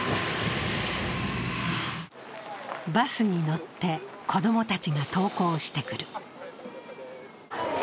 バスに乗って子供たちが登校してくる。